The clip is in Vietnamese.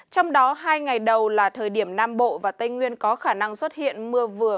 trong đó hai ngày đầu là thời điểm nam bộ và tây nguyên có khả năng xuất hiện mưa vừa